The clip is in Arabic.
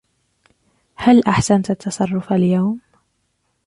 هل أحسنت التصرف اليوم؟